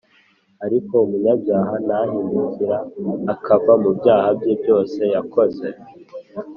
Ariko umunyabyaha nahindukira akava mu byaha bye byose yakoze,